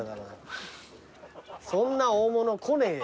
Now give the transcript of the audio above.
そんな大物来ねえよ。